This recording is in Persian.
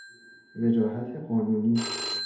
وجاهت قانونی